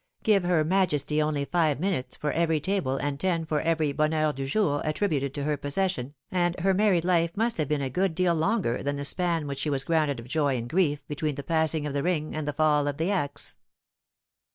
Give her Majesty only five minutes for every table and ten for every bonheur dujour attributed to her possession, and her married life must have been a good deal longer than the span which she was granted of joy and grief between the passing of the ring and the fall of the axe.